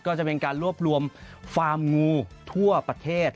ก็จะเป็นการรวบรวมฟาร์มงูทั่วประเทศ